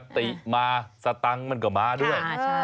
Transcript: ติมาสตังค์มันก็มาด้วย